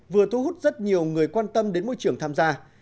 vừa thu hút rất nhiều người quan tâm đến môi trường tham gia